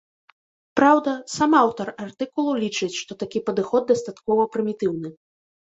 Праўда, сам аўтар артыкулу лічыць, што такі падыход дастаткова прымітыўны.